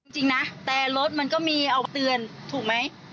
จริงนะแต่รถมันก็มีเอาเตือนถูกไหม